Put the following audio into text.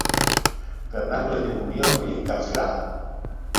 Fernando es descubierto y encarcelado.